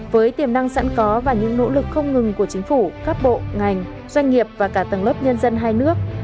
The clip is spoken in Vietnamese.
với tiềm năng sẵn có và những nỗ lực không ngừng của chính phủ các bộ ngành doanh nghiệp và cả tầng lớp nhân dân hai nước